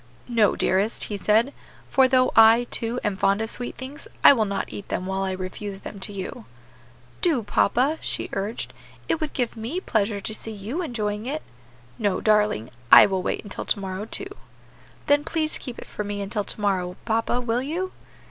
"No, dearest," he said; "for though I, too, am fond of sweet things, I will not eat them while I refuse them to you." "Do, papa," she urged, "it would give me pleasure to see you enjoying it." "No, darling, I will wait until to morrow, too." "Then please keep it for me until to morrow, papa, will you?"